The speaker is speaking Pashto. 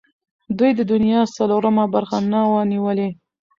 دوی د دنیا څلورمه برخه نه وه نیولې.